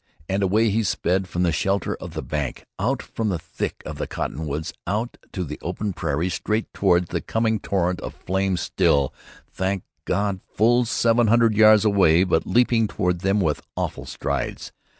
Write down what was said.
And away he sped from the shelter of the bank, out from the thick of the cottonwoods, out to the open prairie, straight toward the coming torrent of flame still, thank God, full seven hundred yards away, but leaping toward them with awful strides.